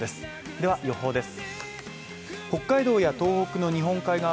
では予報です。